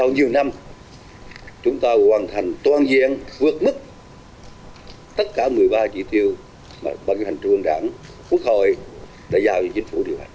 nhiều năm chúng ta hoàn thành toàn diện vượt mức tất cả một mươi ba chỉ tiêu mà ban hành trương ương đảng quốc hội đã giao cho chính phủ điều hành